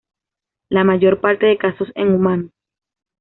La mayor parte de casos en humanos.